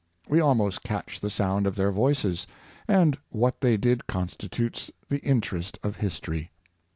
We almost catch the sound of their voices; and what they did constitutes the interest of history.